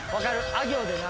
あ行でな。